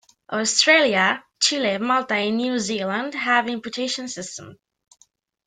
Australia, Chile, Malta and New Zealand have imputation systems.